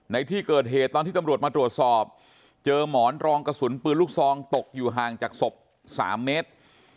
ในที่เกิดเหตุตอนที่ตำรวจมาตรวจสอบเจอหมอนรองกระสุนปืนลูกซองตกอยู่ห่างจากศพ๓เมตร